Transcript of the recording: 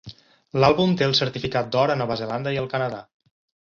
L'àlbum té el certificat d'or a Nova Zelanda i al Canadà.